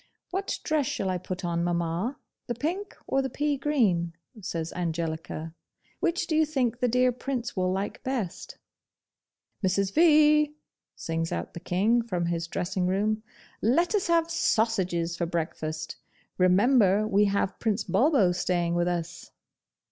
'What dress shall I put on, mamma? the pink or the peagreen?' says Angelica. 'Which do you think the dear Prince will like best?' 'Mrs. V.!' sings out the King from his dressing room, 'let us have sausages for breakfast! Remember we have Prince Bulbo staying with us!